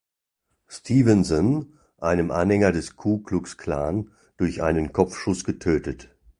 Stephenson, einem Anhänger des Ku-Klux-Klan, durch einen Kopfschuss getötet.